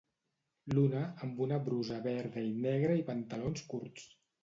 L'una, amb una brusa verda i negra i pantalons curts.